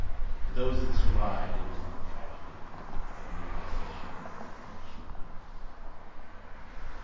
To those that survived it was not tragedy, but realisation and achievement.